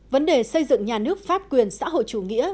vấn đề xây dựng nhà nước pháp quyền xã hội chủ nghĩa